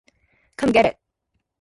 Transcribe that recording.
Come Get It!